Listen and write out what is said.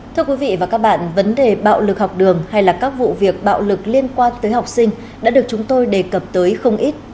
thưa quý vị và các bạn vấn đề bạo lực học đường hay là các vụ việc bạo lực liên quan tới học sinh đã được chúng tôi đề cập tới không ít